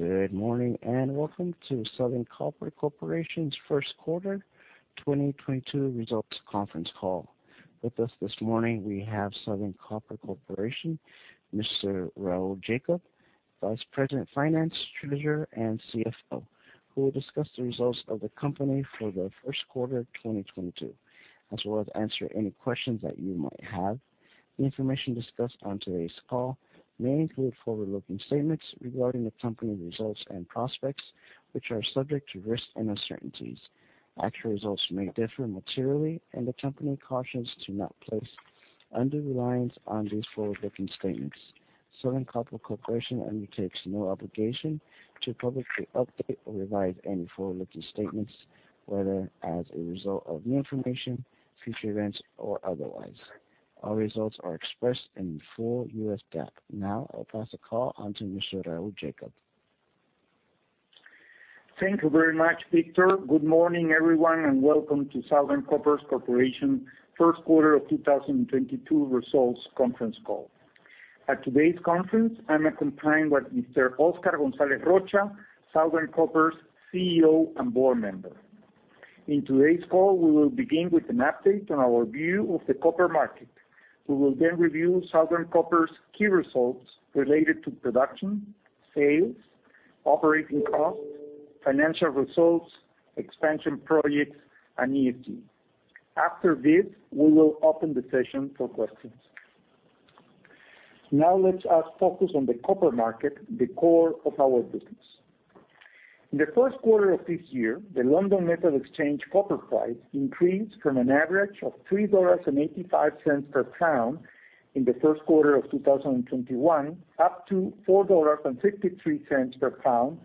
Good morning, and welcome to Southern Copper Corporation's Q1 2022 results conference call. With us this morning we have Southern Copper Corporation, Mr. Raul Jacob, Vice President, Finance, Treasurer, and CFO, who will discuss the results of the company for the Q1 2022, as well as answer any questions that you might have. The information discussed on today's call may include forward-looking statements regarding the company results and prospects, which are subject to risks and uncertainties. Actual results may differ materially, and the company cautions to not place undue reliance on these forward-looking statements. Southern Copper Corporation undertakes no obligation to publicly update or revise any forward-looking statements, whether as a result of new information, future events, or otherwise. All results are expressed in full U.S. GAAP. Now I'll pass the call on to Mr. Raul Jacob. Thank you very much, Victor. Good morning, everyone, and welcome to Southern Copper Corporation Q1 of 2022 results conference call. At today's conference, I'm accompanied with Mr. Oscar Gonzalez Rocha, Southern Copper's CEO and Board Member. In today's call, we will begin with an update on our view of the copper market. We will then review Southern Copper's key results related to production, sales, operating costs, financial results, expansion projects, and EBITDA. After this, we will open the session for questions. Now let us focus on the copper market, the core of our business. In the Q1 of this year, the London Metal Exchange copper price increased from an average of $3.85 per pound in the Q1 of 2021, up to $4.63 per pound.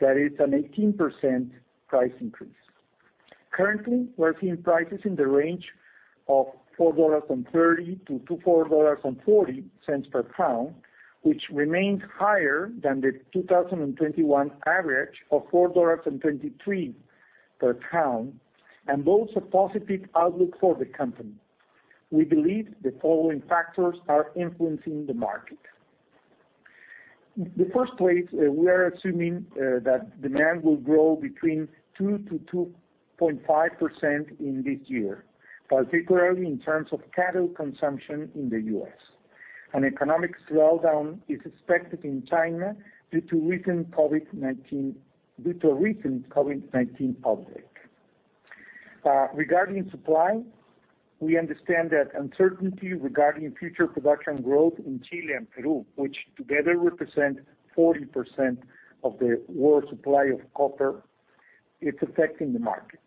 That is an 18% price increase. Currently, we are seeing prices in the range of $4.30-$4.40 per pound, which remains higher than the 2021 average of $4.23 per pound, and bodes a positive outlook for the company. We believe the following factors are influencing the market. In the first place, we are assuming that demand will grow between 2%-2.5% in this year, particularly in terms of cattle consumption in the U.S. An economic slowdown is expected in China due to a recent COVID-19 outbreak. Regarding supply, we understand that uncertainty regarding future production growth in Chile and Peru, which together represent 40% of the world supply of copper, it's affecting the market.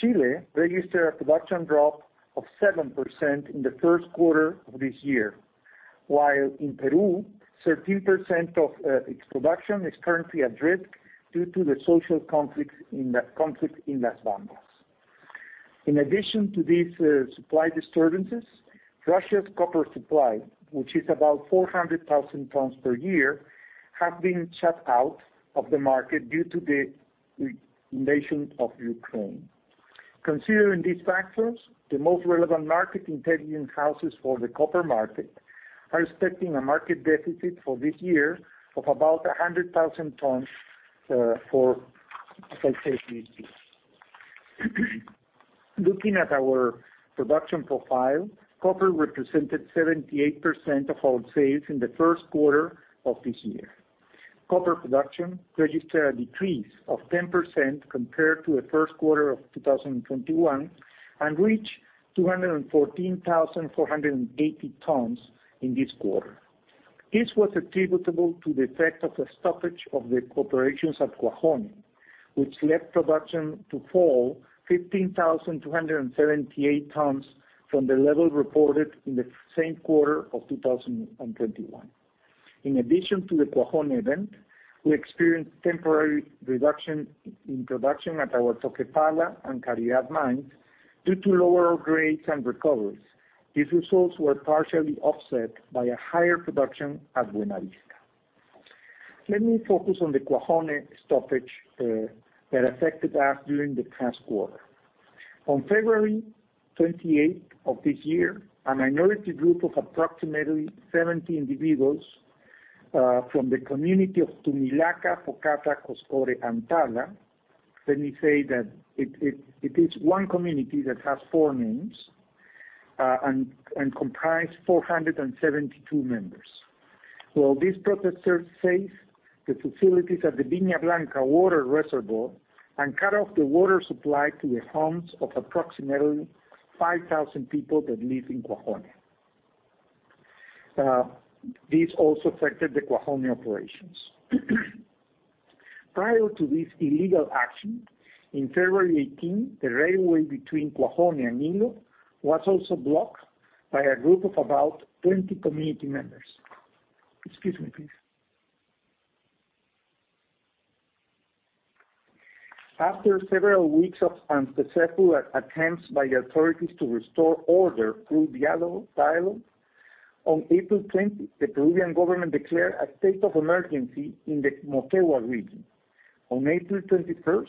Chile registered a production drop of 7% in the Q1 of this year, while in Peru, 13% of its production is currently adrift due to the social conflict in Las Bambas. In addition to these supply disturbances, Russia's copper supply, which is about 400,000 tons per year, have been shut out of the market due to the invasion of Ukraine. Considering these factors, the most relevant market intelligence houses for the copper market are expecting a market deficit for this year of about 100,000 tons, like I said, this year. Looking at our production profile, copper represented 78% of all sales in the Q1 of this year. Copper production registered a 10% decrease compared to the Q1 of 2021 and reached 214,480 tons in this quarter. This was attributable to the effect of the stoppage of the operations at Cuajone, which led production to fall 15,278 tons from the level reported in the same quarter of 2021. In addition to the Cuajone event, we experienced temporary reduction in production at our Toquepala and Cuajone mines due to lower grades and recoveries. These results were partially offset by a higher production at Buenavista. Let me focus on the Cuajone stoppage that affected us during the past quarter. On February 28 of this year, a minority group of approximately 70 individuals from the community of Tumilaca, Pocata, Coscore, and Tala. Let me say that it is one community that has four names and comprise 472 members. Well, these protesters faced the facilities at the Viña Blanca water reservoir and cut off the water supply to the homes of approximately 5,000 people that live in Cuajone. This also affected the Cuajone operations. Prior to this illegal action, in February 18, the railway between Cuajone and Ilo was also blocked by a group of about 20 community members. Excuse me, please. After several weeks of unsuccessful attempts by the authorities to restore order through dialogue, on April 20, the Peruvian government declared a state of emergency in the Moquegua region. On April 21,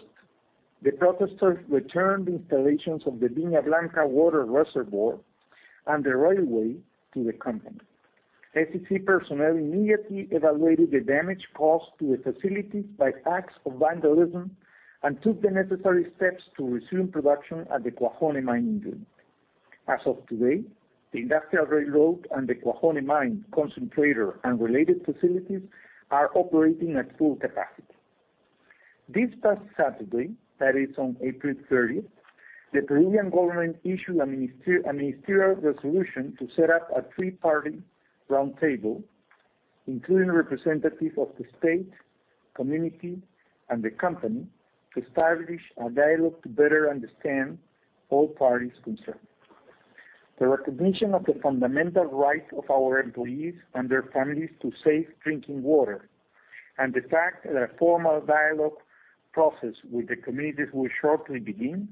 the protesters returned installations of the Viña Blanca water reservoir and the railway to the company. SCC personnel immediately evaluated the damage caused to the facilities by acts of vandalism and took the necessary steps to resume production at the Cuajone mine in June. As of today, the industrial railroad and the Cuajone mine concentrator and related facilities are operating at full capacity. This past Saturday, that is on April 30, the Peruvian government issued a ministerial resolution to set up a three-party roundtable, including representatives of the state, community, and the company, to establish a dialogue to better understand all parties concerned. The recognition of the fundamental rights of our employees and their families to safe drinking water and the fact that a formal dialogue process with the communities will shortly begin,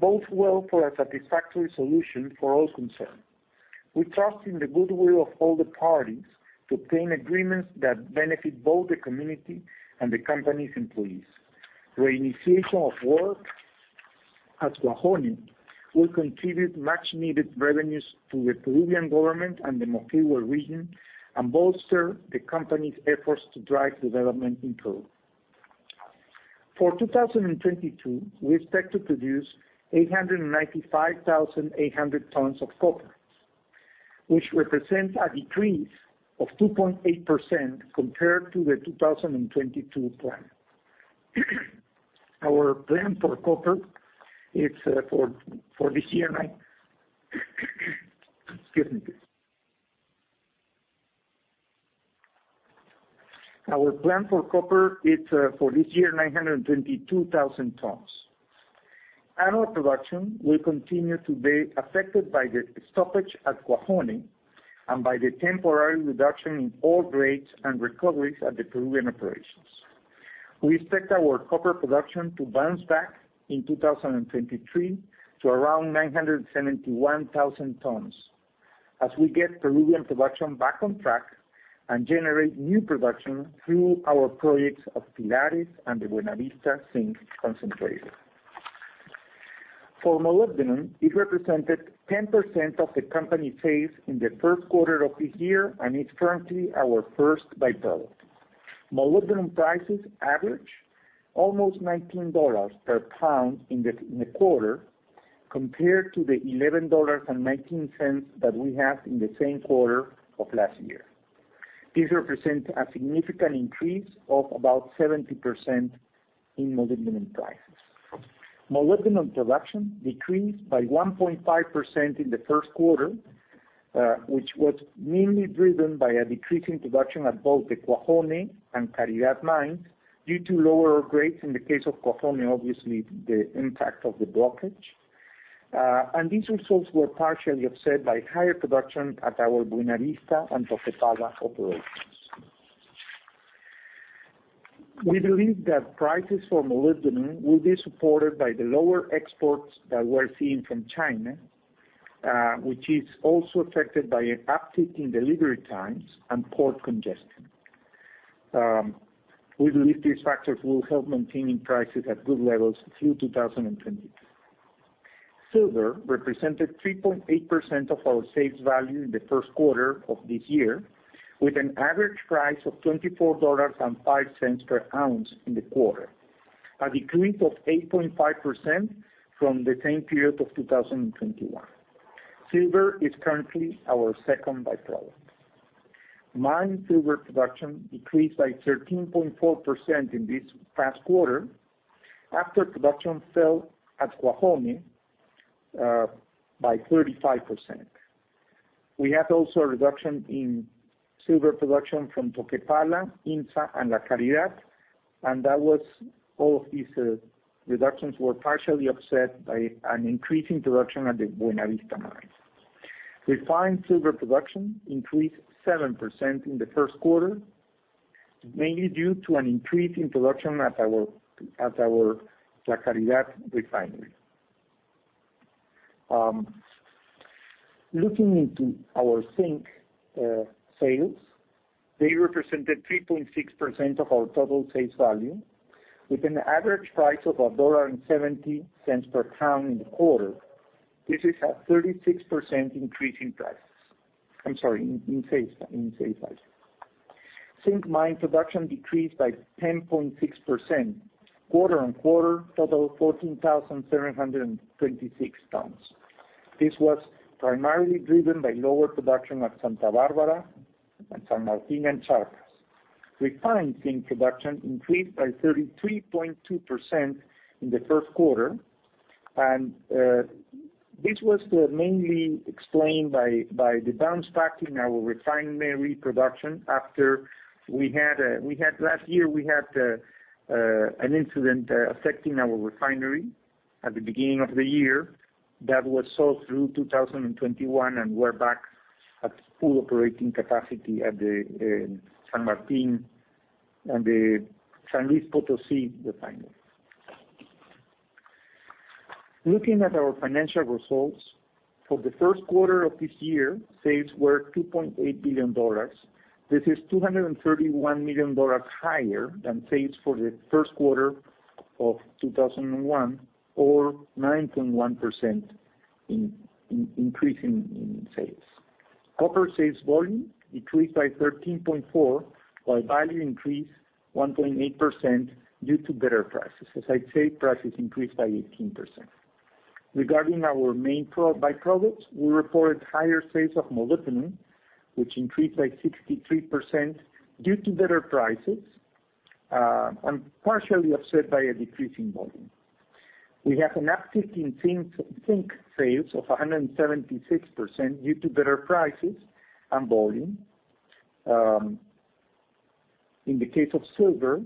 bodes well for a satisfactory solution for all concerned. We trust in the goodwill of all the parties to obtain agreements that benefit both the community and the company's employees. Reinitiation of work at Cuajone will contribute much-needed revenues to the Peruvian government and the Moquegua region and bolster the company's efforts to drive development in Peru. For 2022, we expect to produce 895,800 tons of copper, which represents a decrease of 2.8% compared to the 2022 plan. Excuse me. Our plan for copper is for this year 922,000 tons. Annual production will continue to be affected by the stoppage at Cuajone and by the temporary reduction in ore grades and recoveries at the Peruvian operations. We expect our copper production to bounce back in 2023 to around 971,000 tons as we get Peruvian production back on track and generate new production through our projects of Pilares and the Buenavista zinc concentrator. For molybdenum, it represented 10% of the company sales in the Q1 of the year and is currently our first by-product. Molybdenum prices averaged almost $19 per pound in the quarter compared to the $11.19 that we had in the same quarter of last year. This represents a significant increase of about 70% in molybdenum prices. Molybdenum production decreased by 1.5% in the Q1, which was mainly driven by a decrease in production at both the Cuajone and La Caridad mines due to lower grades in the case of Cuajone, obviously, the impact of the blockage. These results were partially offset by higher production at our Buenavista and Toquepala operations. We believe that prices for molybdenum will be supported by the lower exports that we're seeing from China, which is also affected by an uptick in delivery times and port congestion. We believe these factors will help maintaining prices at good levels through 2023. Silver represented 3.8% of our sales value in the Q1 of this year, with an average price of $24.05 per ounce in the quarter, a decrease of 8.5% from the same period of 2021. Silver is currently our second by-product. Mine silver production decreased by 13.4% in this past quarter after production fell at Cuajone by 35%. We had also a reduction in silver production from Toquepala, IMMSA, and La Caridad, and all of these reductions were partially offset by an increase in production at the Buenavista mine. Refined silver production increased 7% in the Q1, mainly due to an increase in production at our La Caridad refinery. Looking into our zinc sales, they represented 3.6% of our total sales value with an average price of $1.70 per ton in the quarter. This is a 36% increase in sales value. Zinc mine production decreased by 10.6% quarter-on-quarter, total 14,726 tons. This was primarily driven by lower production at Santa Bárbara and San Martín and Charcas. Refined zinc production increased by 33.2% in the Q1, and this was mainly explained by the bounce back in our refinery production after last year we had an incident affecting our refinery at the beginning of the year that was solved through 2021 and we're back at full operating capacity at the San Martín and the San Luis Potosí refinery. Looking at our financial results for the Q1 of this year, sales were $2.8 billion. This is $231 million higher than sales for the Q1 of 2021 or 9.1% increase in sales. Copper sales volume increased by 13.4%, while value increased 1.8% due to better prices. As I said, prices increased by 18%. Regarding our main by-products, we reported higher sales of molybdenum, which increased by 63% due to better prices and partially offset by a decrease in volume. We have an uptick in zinc sales of 176% due to better prices and volume. In the case of silver,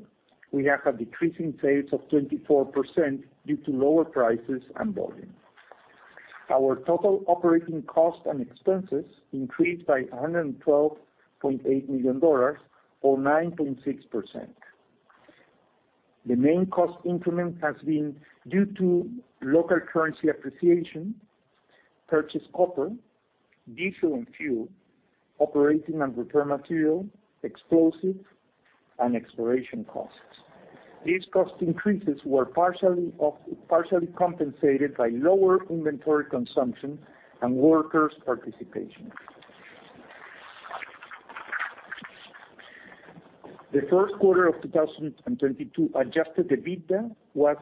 we have a decrease in sales of 24% due to lower prices and volume. Our total operating costs and expenses increased by $112.8 million or 9.6%. The main cost increment has been due to local currency appreciation, purchased copper, diesel and fuel, operating and repair material, explosives, and exploration costs. These cost increases were partially compensated by lower inventory consumption and workers' participation. The Q1 of 2022 adjusted EBITDA was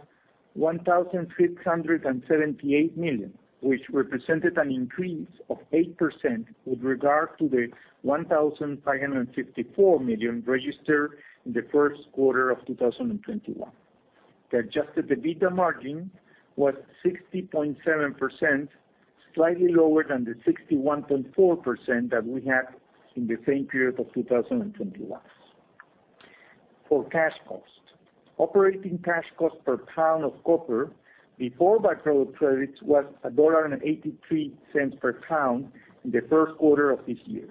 $1,378 million, which represented an increase of 8% with regard to the $1,354 million registered in the Q1 of 2021. The adjusted EBITDA margin was 60.7%, slightly lower than the 61.4% that we had in the same period of 2021. For cash costs, operating cash costs per pound of copper before by-product credits was $1.83 per pound in the Q1 of this year.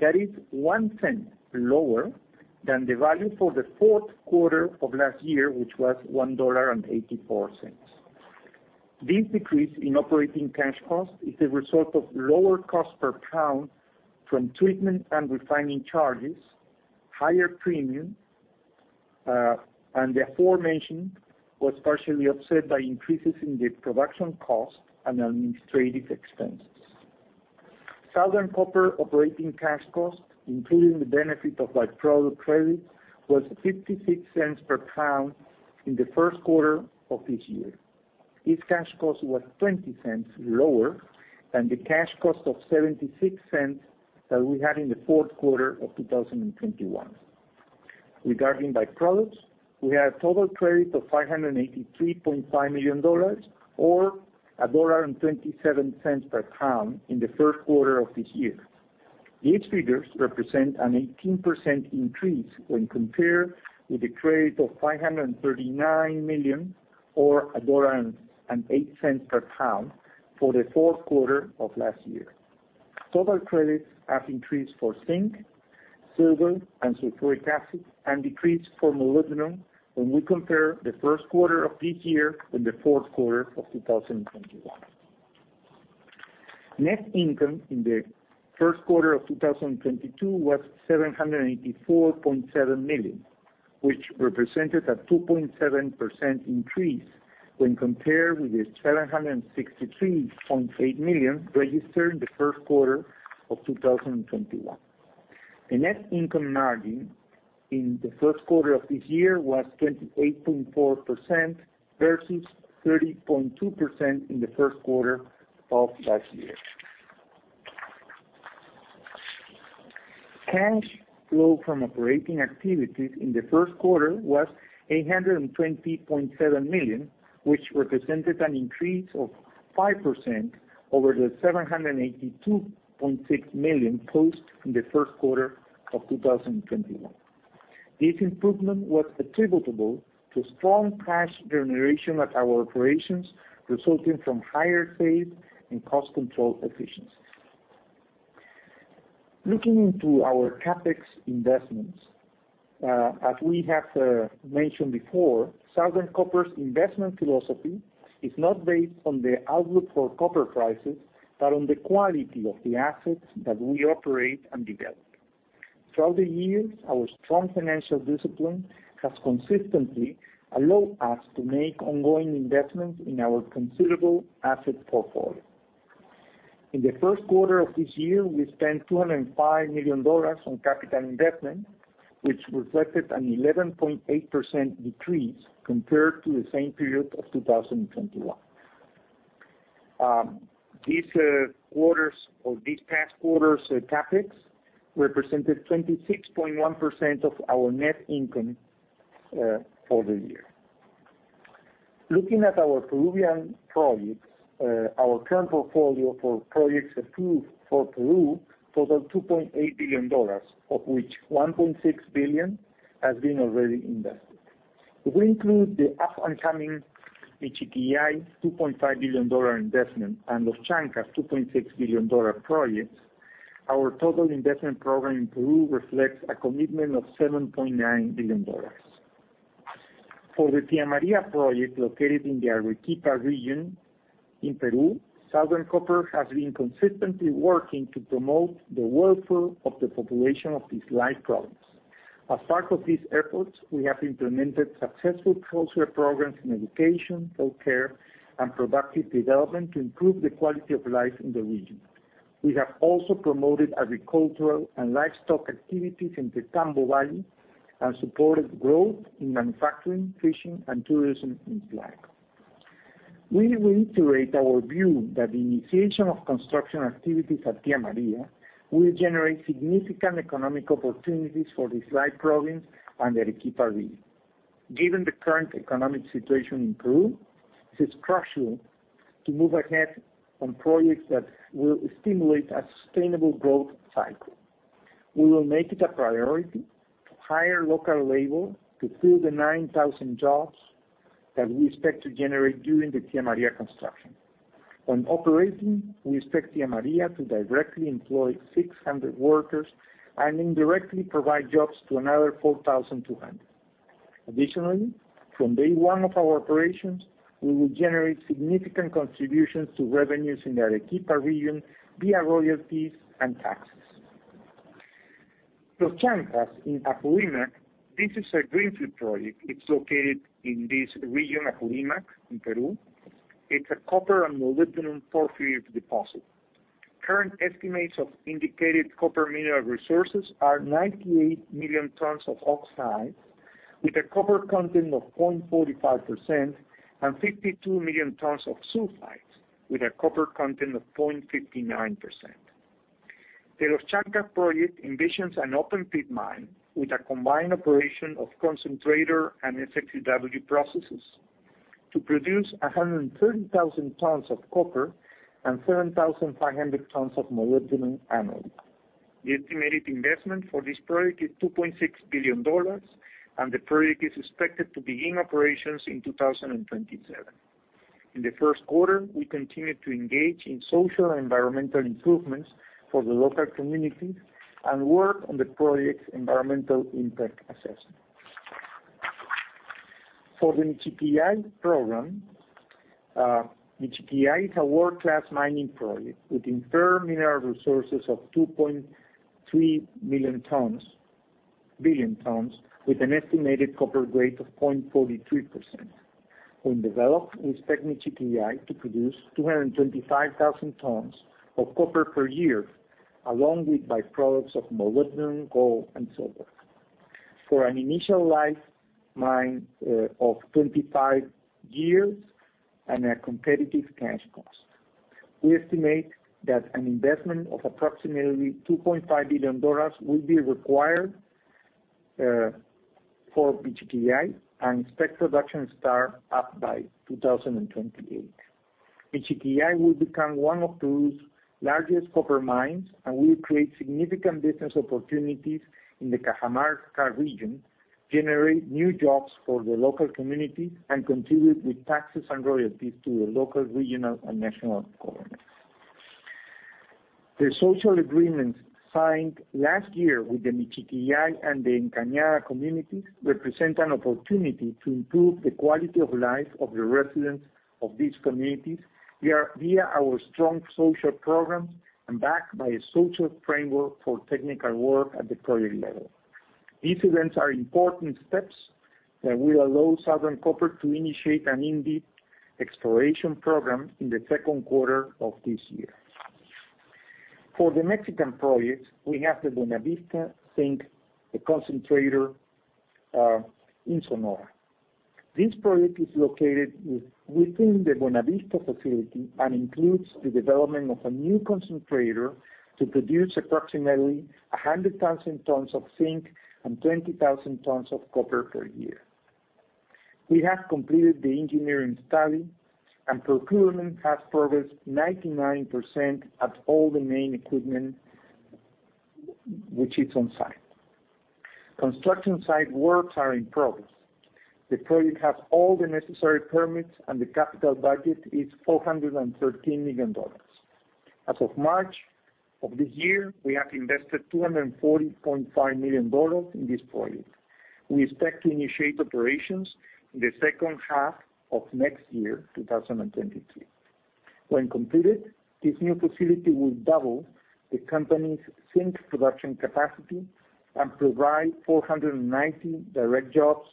That is $0.01 lower than the value for the Q4 of last year, which was $1.84. This decrease in operating cash costs is a result of lower cost per pound from treatment and refining charges, higher premium, and the aforementioned was partially offset by increases in the production cost and administrative expenses. Southern Copper operating cash costs, including the benefit of by-product credit, was $0.56 per pound in the Q1 of this year. This cash cost was 20 cents lower than the cash cost of $0.76 that we had in the foQ4 of 2021. Regarding by-products, we had a total credit of $583.5 million or $1.27 per pound in the Q1 of this year. These figures represent an 18% increase when compared with the credit of $539 million or $1.08 per pound for the Q4 of last year. Total credits have increased for zinc, silver, and sulfuric acid, and decreased for molybdenum when we compare the Q1 of this year with the Q4 of 2021. Net income in the Q1 of 2022 was $784.7 million, which represented a 2.7% increase when compared with the $763.8 million registered in the Q1 of 2021. The net income margin in the Q1 of this year was 28.4% versus 30.2% in the Q1 of last year. Cash flow from operating activities in the Q1 was $820.7 million, which represented an increase of 5% over the $782.6 million posted in the Q1 of 2021. This improvement was attributable to strong cash generation at our operations, resulting from higher sales and cost control efficiencies. Looking into our CapEx investments. As we have mentioned before, Southern Copper's investment philosophy is not based on the outlook for copper prices, but on the quality of the assets that we operate and develop. Throughout the years, our strong financial discipline has consistently allowed us to make ongoing investments in our considerable asset portfolio. In the Q1 of this year, we spent $205 million on capital investment, which reflected an 11.8% decrease compared to the same period of 2021. These quarters or this past quarter's CapEx represented 26.1% of our net income for the year. Looking at our Peruvian projects, our current portfolio for projects approved for Peru total $2.8 billion, of which $1.6 billion has been already invested. If we include the up-and-coming Michiquillay's $2.5 billion investment and Los Chankas' $2.6 billion projects. Our total investment program in Peru reflects a commitment of $7.9 billion. For the Tía María project located in the Arequipa region in Peru, Southern Copper has been consistently working to promote the welfare of the population of Islay province. As part of these efforts, we have implemented successful social programs in education, healthcare, and productive development to improve the quality of life in the region. We have also promoted agricultural and livestock activities in the Tambo Valley and supported growth in manufacturing, fishing, and tourism in Islay. We reiterate our view that the initiation of construction activities at Tía María will generate significant economic opportunities for Islay province and Arequipa region. Given the current economic situation in Peru, it is crucial to move ahead on projects that will stimulate a sustainable growth cycle. We will make it a priority to hire local labor to fill the 9,000 jobs that we expect to generate during the Tía María construction. On operating, we expect Tía María to directly employ 600 workers and indirectly provide jobs to another 4,200. Additionally, from day one of our operations, we will generate significant contributions to revenues in the Arequipa region via royalties and taxes. Los Chankas in Apurímac, this is a greenfield project. It's located in this region, Apurímac, in Peru. It's a copper and molybdenum porphyry deposit. Current estimates of indicated copper mineral resources are 98 million tons of oxide, with a copper content of 0.45%, and 52 million tons of sulfide, with a copper content of 0.59%. The Los Chankas project envisions an open pit mine with a combined operation of concentrator and SXEW processes to produce 130,000 tons of copper and 7,500 tons of molybdenum annually. The estimated investment for this project is $2.6 billion, and the project is expected to begin operations in 2027. In the Q1, we continued to engage in social and environmental improvements for the local communities and work on the project's environmental impact assessment. For the Michiquillay program, Michiquillay is a world-class mining project with inferred mineral resources of 2.3 billion tons, with an estimated copper grade of 0.43%. When developed, we expect Michiquillay to produce 225,000 tons of copper per year, along with byproducts of molybdenum, gold, and silver, for an initial mine life of 25 years and a competitive cash cost. We estimate that an investment of approximately $2.5 billion will be required for Michiquillay and expect production start up by 2028. Michiquillay will become one of Peru's largest copper mines and will create significant business opportunities in the Cajamarca region, generate new jobs for the local community, and contribute with taxes and royalties to the local, regional, and national governments. The social agreements signed last year with the Michiquillay and the La Encañada communities represent an opportunity to improve the quality of life of the residents of these communities via our strong social programs and backed by a social framework for technical work at the project level. These events are important steps that will allow Southern Copper to initiate an in-depth exploration program in the Q2 of this year. For the Mexican projects, we have the Buenavista zinc concentrator in Sonora. This project is located within the Buenavista facility and includes the development of a new concentrator to produce approximately 100,000 tons of zinc and 20,000 tons of copper per year. We have completed the engineering study, and procurement has progressed 99% of all the main equipment, which is on-site. Construction site works are in progress. The project has all the necessary permits, and the capital budget is $413 million. As of March of this year, we have invested $240.5 million in this project. We expect to initiate operations in the second half of next year, 2022. When completed, this new facility will double the company's zinc production capacity and provide 490 direct jobs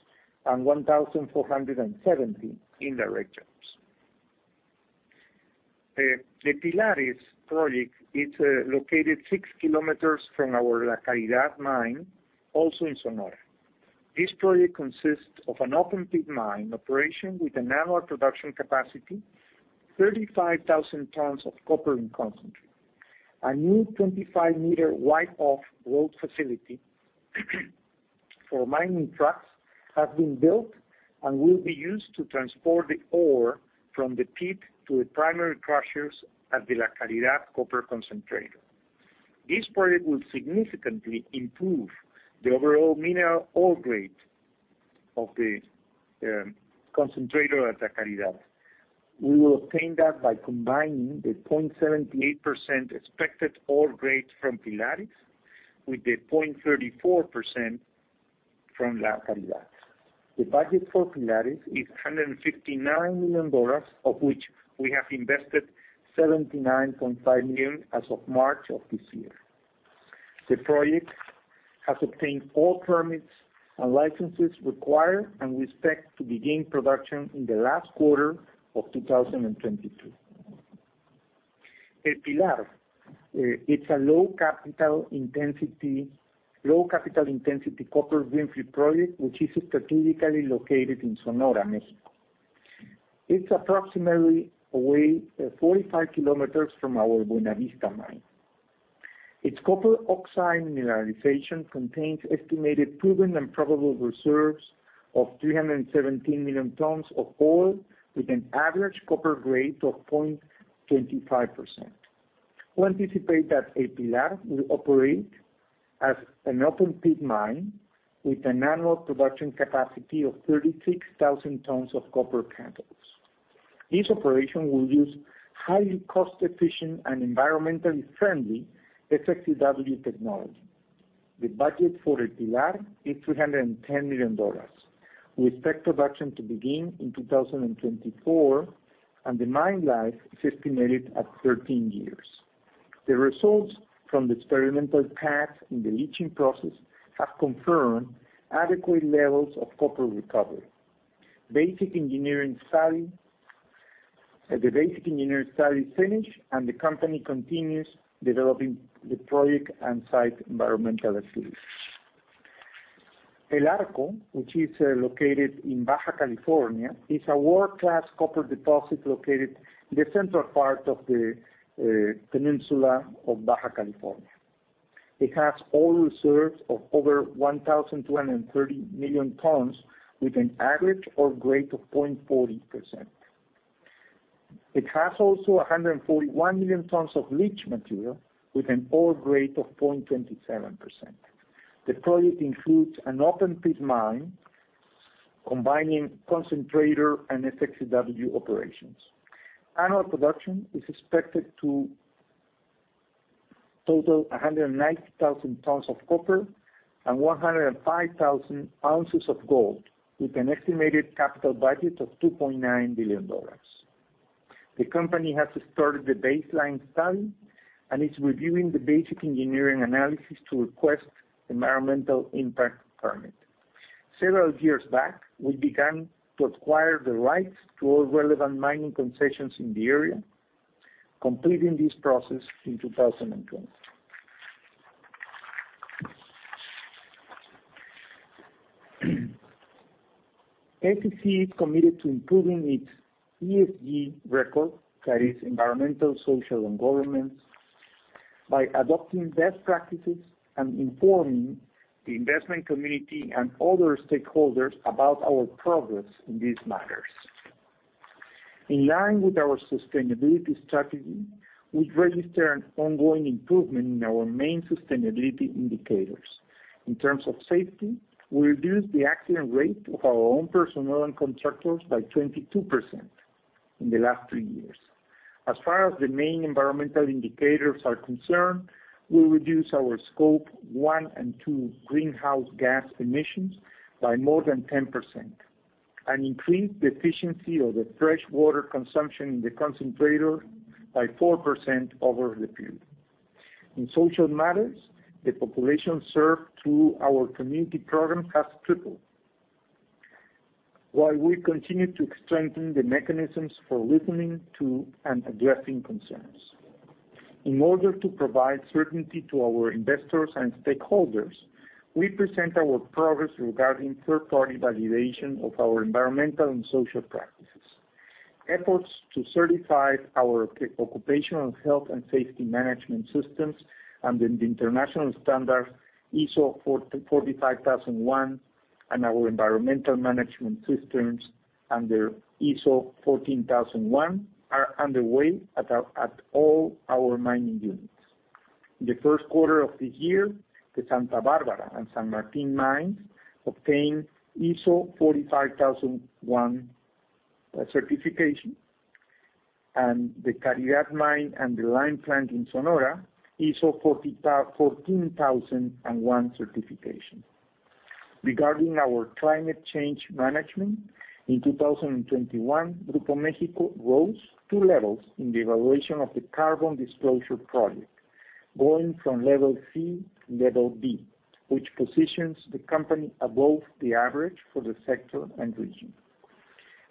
and 1,470 indirect jobs. The Pilares project is located 6 kilometers from our La Caridad mine, also in Sonora. This project consists of an open-pit mine operation with an annual production capacity, 35,000 tons of copper in concentrate. A new 25-meter-wide off-road facility for mining trucks have been built and will be used to transport the ore from the pit to the primary crushers at the La Caridad copper concentrator. This project will significantly improve the overall mineral ore grade of the concentrator at La Caridad. We will obtain that by combining the 0.78% expected ore grade from Pilares with the 0.34% from La Caridad. The budget for Pilares is $159 million, of which we have invested $79.5 million as of March of this year. The project has obtained all permits and licenses required, and we expect to begin production in the last quarter of 2022. Pilares, it's a low capital intensity copper greenfield project, which is strategically located in Sonora, Mexico. It's approximately 45 kilometers from our Buenavista mine. Its copper oxide mineralization contains estimated proven and probable reserves of 317 million tons of ore with an average copper grade of 0.25%. We anticipate that Pilares will operate as an open pit mine with an annual production capacity of 36,000 tons of copper cathode. This operation will use highly cost-efficient and environmentally friendly SXEW technology. The budget for Pilares is $210 million. We expect production to begin in 2024, and the mine life is estimated at 13 years. The results from the experimental tests in the leaching process have confirmed adequate levels of copper recovery. The basic engineering study is finished and the company continues developing the project and site environmental studies. El Arco, which is located in Baja California, is a world-class copper deposit located in the central part of the peninsula of Baja California. It has ore reserves of over 1,230 million tons with an average ore grade of 0.40%. It has also 141 million tons of leach material with an ore grade of 0.27%. The project includes an open pit mine combining concentrator and SXEW operations. Annual production is expected to total 190,000 tons of copper and 105,000 ounces of gold with an estimated capital budget of $2.9 billion. The company has started the baseline study and is reviewing the basic engineering analysis to request environmental impact permit. Several years back, we began to acquire the rights to all relevant mining concessions in the area, completing this process in 2020. SCC is committed to improving its ESG record, that is environmental, social and government, by adopting best practices and informing the investment community and other stakeholders about our progress in these matters. In line with our sustainability strategy, we register an ongoing improvement in our main sustainability indicators. In terms of safety, we reduced the accident rate of our own personnel and contractors by 22% in the last 3 years. As far as the main environmental indicators are concerned, we reduced our scope 1 and 2 greenhouse gas emissions by more than 10% and increased the efficiency of the fresh water consumption in the concentrator by 4% over the period. In social matters, the population served through our community program has tripled, while we continue to strengthen the mechanisms for listening to and addressing concerns. In order to provide certainty to our investors and stakeholders, we present our progress regarding third-party validation of our environmental and social practices. Efforts to certify our occupational health and safety management systems under the international standard ISO 45001 and our environmental management systems under ISO 14001 are underway at all our mining units. In the Q1 of the year, the Santa Barbara and San Martín mines obtained ISO 45001 certification and the La Caridad mine and the lime plant in Sonora, ISO 14001 certification. Regarding our climate change management, in 2021, Grupo México rose 2 levels in the evaluation of the Carbon Disclosure Project, going from level C to level B, which positions the company above the average for the sector and region.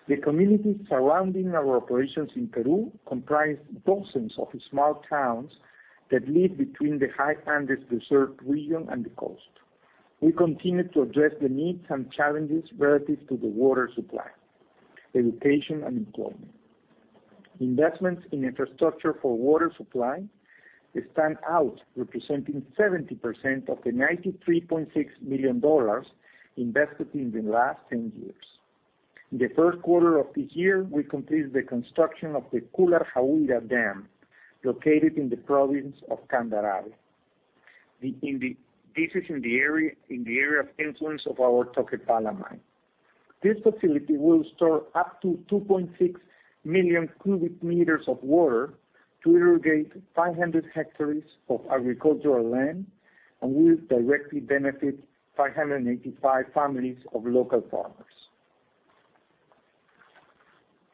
The communities surrounding our operations in Peru comprise dozens of small towns that live between the high Andes reserve region and the coast. We continue to address the needs and challenges relative to the water supply, education and employment. Investments in infrastructure for water supply stand out, representing 70% of the $93.6 million invested in the last 10 years. In the Q1 of the year, we completed the construction of the Cularjahuira Dam, located in the province of Candarave. This is in the area of influence of our Toquepala mine. This facility will store up to 2.6 million cubic meters of water to irrigate 500 hectares of agricultural land and will directly benefit 585 families of local farmers.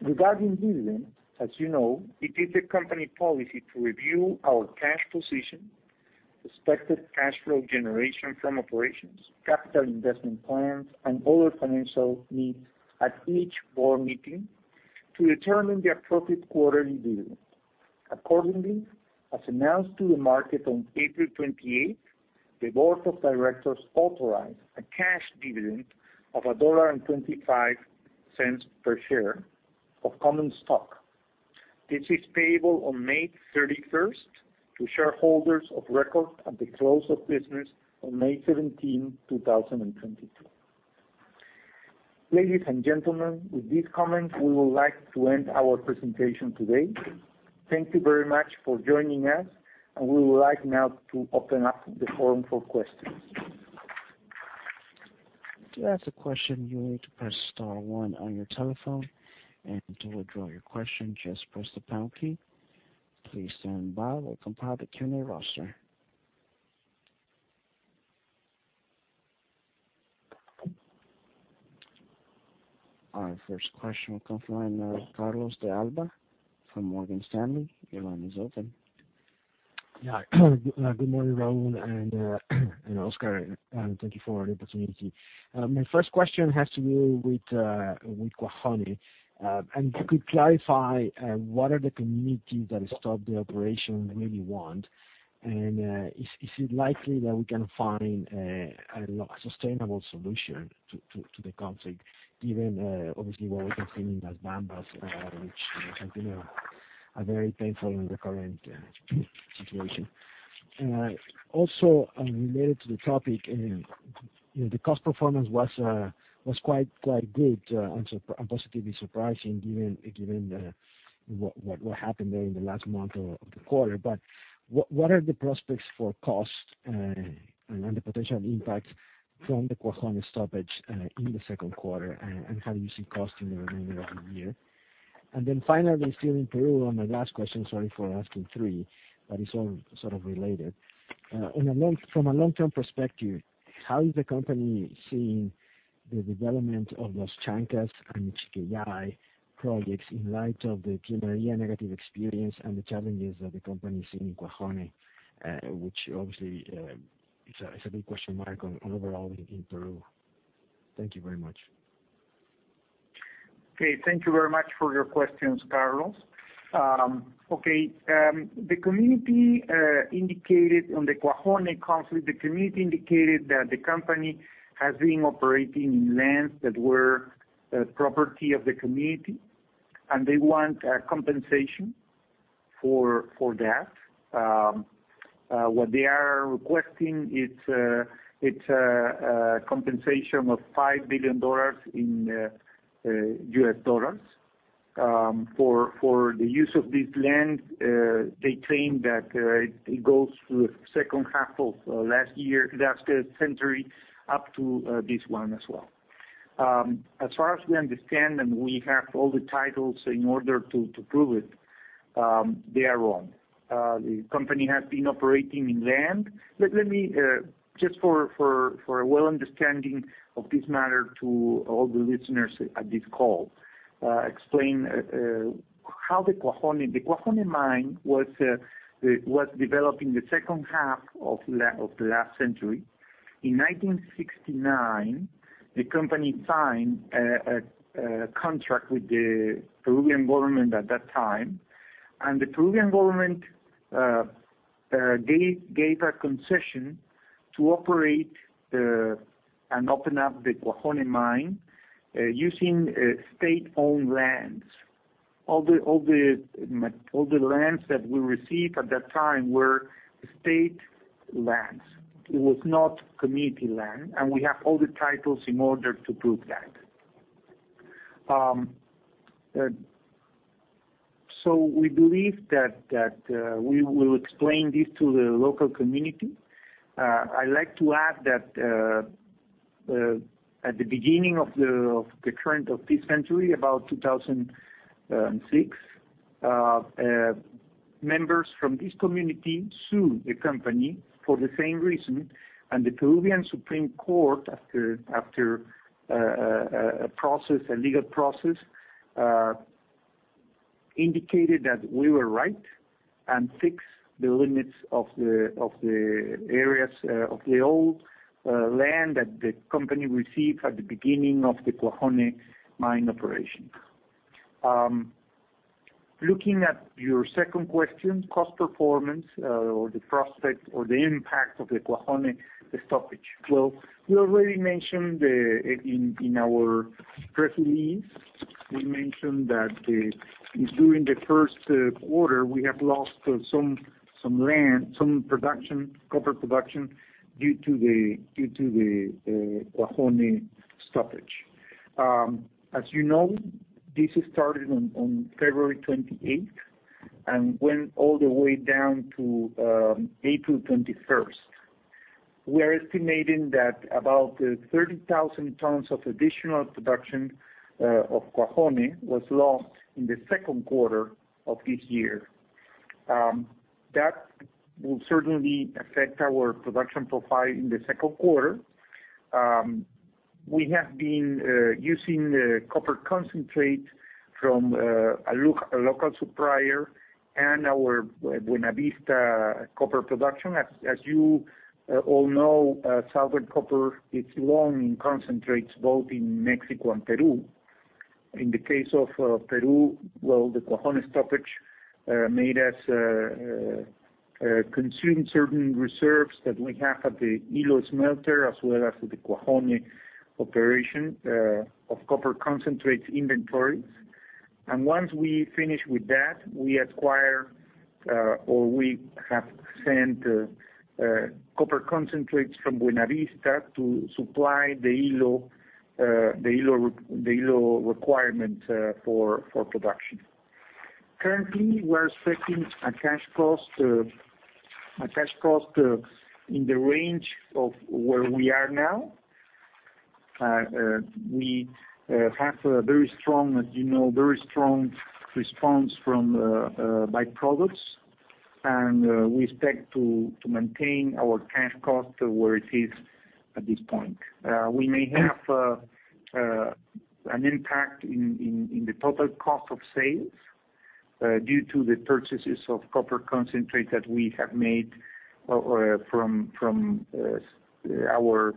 Regarding dividend, as you know, it is the company policy to review our cash position, expected cash flow generation from operations, capital investment plans, and other financial needs at each board meeting to determine the appropriate quarterly dividend. Accordingly, as announced to the market on April 28, the board of directors authorized a cash dividend of $1.25 per share of common stock. This is payable on May 31 to shareholders of record at the close of business on May 17, 2022. Ladies and gentlemen, with this comment, we would like to end our presentation today. Thank you very much for joining us, and we would like now to open up the forum for questions. To ask a question, you'll need to press star one on your telephone, and to withdraw your question, just press the pound key. Please stand by while we compile the queue roster. Our first question will come from Carlos de Alba from Morgan Stanley. Your line is open. Yeah. Good morning, Raul and Oscar, and thank you for the opportunity. My first question has to do with Cuajone. If you could clarify what the communities that stopped the operation really want? Is it likely that we can find a sustainable solution to the conflict, given obviously what we're seeing in Las Bambas, which has been a very painful in the current situation? Also related to the topic, you know, the cost performance was quite good and positively surprising given what happened there in the last month of the quarter. But what are the prospects for cost and the potential impact from the Cuajone stoppage in the Q2? How do you see cost in the remainder of the year? Then finally, still in Peru on my last question, sorry for asking three, but it's all sort of related. From a long-term perspective, how is the company seeing the development of Los Chankas and Michiquillay projects in light of the Tía María negative experience and the challenges that the company is seeing in Cuajone? Which obviously is a big question mark on overall in Peru. Thank you very much. Okay. Thank you very much for your questions, Carlos. The community indicated on the Cuajone conflict that the company has been operating in lands that were property of the community, and they want a compensation for that. What they are requesting is a compensation of $5 billion in U.S. dollars for the use of this land. They claim that it goes through the second half of the last century up to this one as well. As far as we understand, and we have all the titles in order to prove it, they are wrong. The company has been operating in land. Let me just for a full understanding of this matter to all the listeners at this call explain how the Cuajone mine was developed in the second half of the last century. In 1969, the company signed a contract with the Peruvian government at that time. The Peruvian government gave a concession to operate and open up the Cuajone mine using state-owned lands. All the lands that we received at that time were state lands. It was not community land, and we have all the titles in order to prove that. We believe that we will explain this to the local community. I'd like to add that, at the beginning of the current century, about 2006, members from this community sued the company for the same reason. The Peruvian Supreme Court, after a legal process, indicated that we were right and fixed the limits of the areas of the old land that the company received at the beginning of the Cuajone mine operation. Looking at your second question, cost performance, or the prospect or the impact of the Cuajone stoppage. Well, we already mentioned the. In our press release we mentioned that during the Q1, we have lost some pounds, copper production due to the Cuajone stoppage. As you know, this started on February 28 and went all the way down to April 21. We are estimating that about 30,000 tons of additional production of Cuajone was lost in the Q2 of this year. That will certainly affect our production profile in the Q2. We have been using the copper concentrate from a local supplier and our Buenavista copper production. As you all know, Southern Copper is long in concentrates both in Mexico and Peru. In the case of Peru, well, the Cuajone stoppage made us consume certain reserves that we have at the Ilo smelter, as well as the Cuajone operation, of copper concentrates inventories. Once we finish with that, we acquire or we have sent copper concentrates from Buenavista to supply the Ilo requirement for production. Currently, we're expecting a cash cost in the range of where we are now. We have a very strong, as you know, very strong response from byproducts, and we expect to maintain our cash cost where it is at this point. We may have an impact in the total cost of sales due to the purchases of copper concentrate that we have made or from our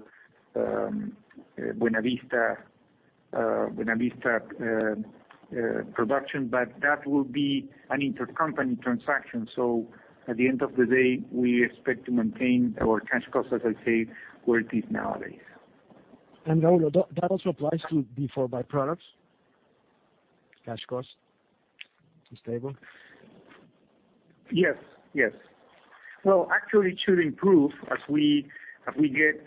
Buenavista production, but that will be an intercompany transaction. At the end of the day, we expect to maintain our cash cost, as I say, where it is nowadays. Raul, that also applies to before byproducts? Cash cost is stable. Yes. Well, actually, it should improve as we get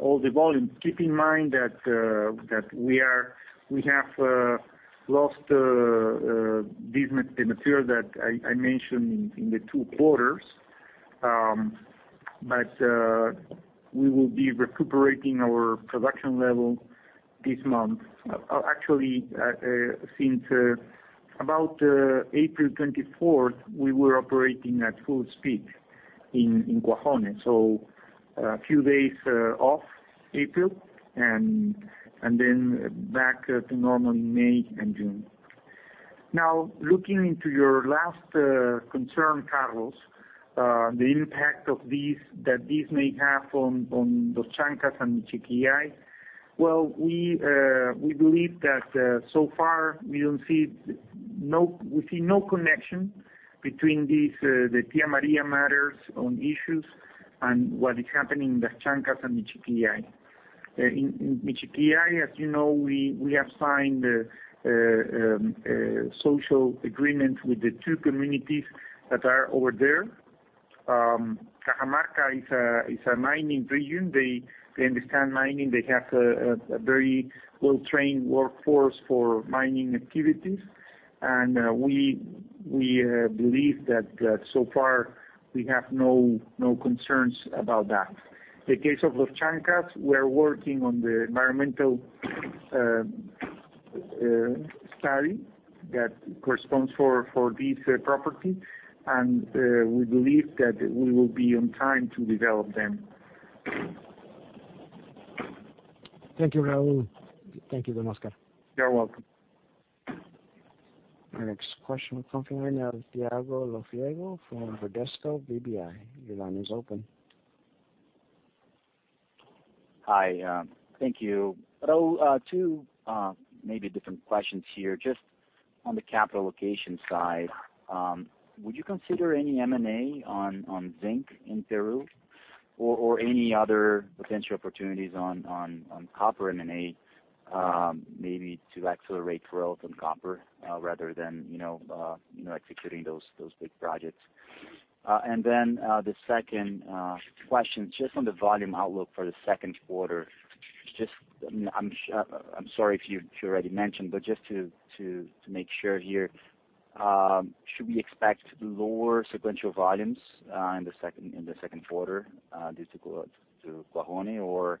all the volume. Keep in mind that we have lost the material that I mentioned in the two quarters. We will be recuperating our production level this month. Actually, since about April 24, we were operating at full speed in Cuajone. A few days off April and then back to normal in May and June. Now, looking into your last concern, Carlos, the impact that this may have on Los Chankas and Michiquillay. We believe that so far we see no connection between the Tía María matters and issues and what is happening in Los Chankas and Michiquillay. In Michiquillay, as you know, we have signed a social agreement with the two communities that are over there. Cajamarca is a mining region. They understand mining. They have a very well-trained workforce for mining activities. We believe that so far we have no concerns about that. The case of Los Chankas, we're working on the environmental study that corresponds for this property, and we believe that we will be on time to develop them. Thank you, Raul. Thank you very much. You're welcome. Our next question or comment line, Thiago Lofiego from Bradesco BBI. Your line is open. Hi, thank you. Raul, 2 maybe different questions here, just on the capital allocation side. Would you consider any M&A on zinc in Peru or any other potential opportunities on copper M&A, maybe to accelerate growth on copper, rather than, you know, you know, executing those big projects? The second question, just on the volume outlook for the Q2. Just I'm sorry if you already mentioned, but just to make sure here, should we expect lower sequential volumes in the Q2 due to Cuajone? Or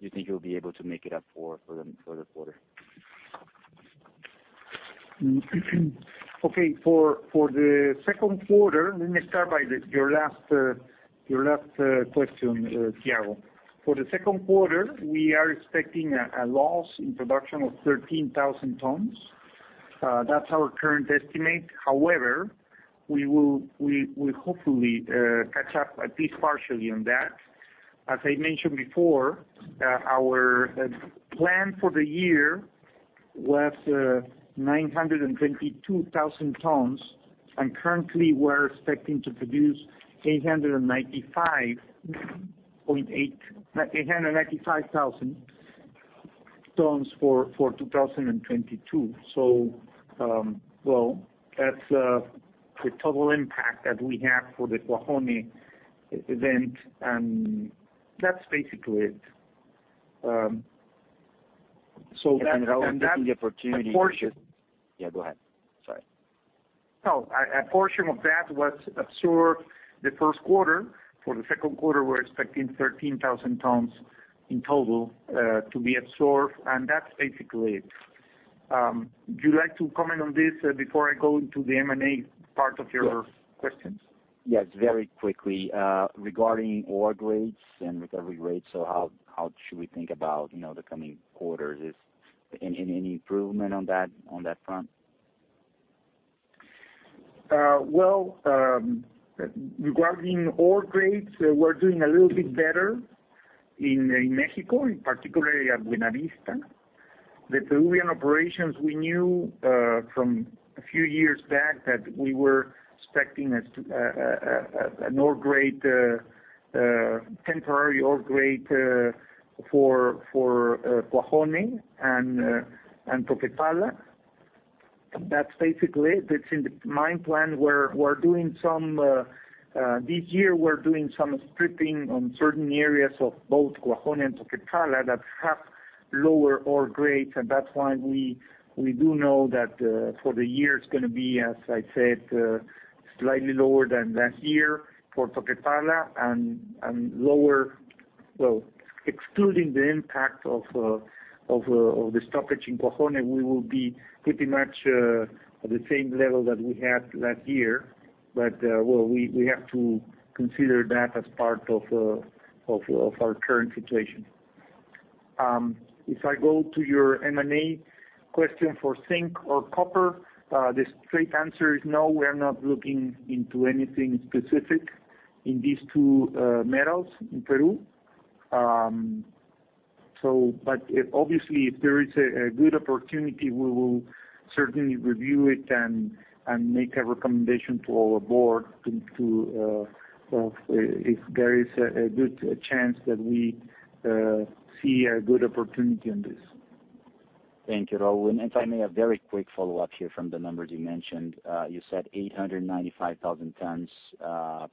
you think you'll be able to make it up for the quarter? Okay. For the Q2, let me start by your last question, Thiago. For the Q2, we are expecting a loss in production of 13,000 tons. That's our current estimate. However, we will hopefully catch up at least partially on that. As I mentioned before, our plan for the year was 922,000 tons, and currently we're expecting to produce 895,000 tons for 2022. That's the total impact that we have for the Cuajone event, and that's basically it. Raul, giving you the opportunity to And that, a portion. Yeah, go ahead. Sorry. No, a portion of that was absorbed the Q1. For the Q2, we're expecting 13,000 tons in total to be absorbed, and that's basically it. Would you like to comment on this before I go into the M&A part of your questions? Yes. Very quickly. Regarding ore grades and recovery rates, so how should we think about, you know, the coming quarters? Is any improvement on that front? Regarding ore grades, we're doing a little bit better in Mexico, particularly at Buenavista. The Peruvian operations we knew from a few years back that we were expecting a temporary ore grade for Cuajone and Toquepala. That's basically it. It's in the mine plan. This year we're doing some stripping on certain areas of both Cuajone and Toquepala that have lower ore grades, and that's why we do know that for the year it's gonna be, as I said, slightly lower than last year for Toquepala and lower. Well, excluding the impact of the stoppage in Cuajone, we will be pretty much at the same level that we had last year. Well, we have to consider that as part of our current situation. If I go to your M&A question for zinc or copper, the straight answer is no, we are not looking into anything specific in these two metals in Peru. If there is obviously a good opportunity, we will certainly review it and make a recommendation to our board to if there is a good chance that we see a good opportunity in this. Thank you, Raul. If I may, a very quick follow-up here from the numbers you mentioned. You said 895,000 tons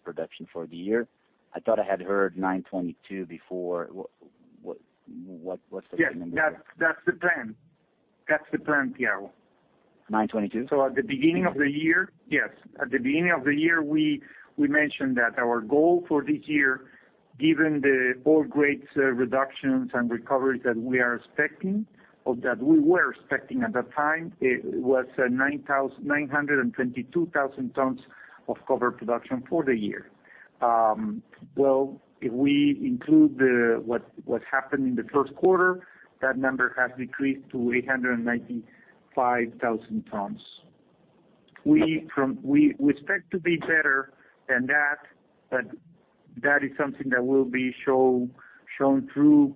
production for the year. I thought I had heard 922 before. What's the real number? Yes. That's the plan. That's the plan, Piero. 9:22? At the beginning of the year, we mentioned that our goal for this year, given the ore grades reductions and recoveries that we are expecting, or that we were expecting at that time, it was 922,000 tons of copper production for the year. Well, if we include what happened in the Q1, that number has decreased to 895,000 tons. We expect to be better than that, but that is something that will be shown through